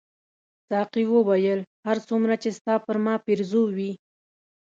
ساقي وویل هر څومره چې ستا پر ما پیرزو وې.